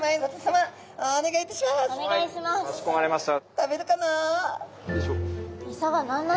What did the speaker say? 食べるかな？